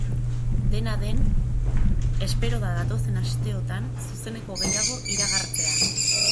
Dena den, espero da datozen asteotan zuzeneko gehiago iragartzea.